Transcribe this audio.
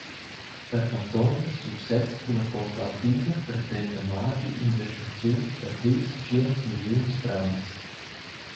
Per contonscher success culla Porta Alpina pretenda Maggi investiziuns da plirs tschiens milliuns francs.